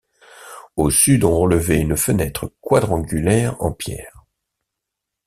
Au sud, on relevait une fenêtre quadrangulaire en pierre.